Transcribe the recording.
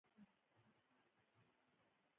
هغه لویه زغره په تن کړه.